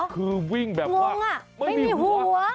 คือวิ่งแบบว่าไม่มีหัว